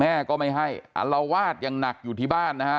แม่ก็ไม่ให้อลวาดอย่างหนักอยู่ที่บ้านนะฮะ